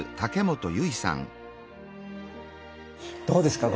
どうですか？